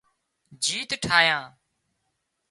جيت ٺاهيان